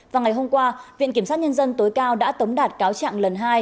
và ngày hôm qua viện kiểm sát nhân dân tối cao đã tống đạt cáo trạng lần hai